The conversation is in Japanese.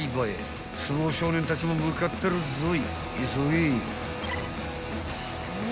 ［相撲少年たちも向かってるぞい急げ！］